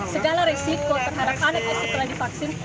segala resiko terhadap anak yang setelah divaksin